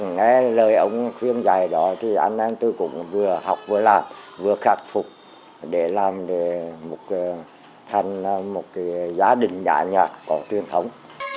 nghe lời ông khuyên dạy đó thì anh em tôi cũng vừa học vừa làm vừa khắc phục để làm một gia đình nhạc nhạc có truyền thống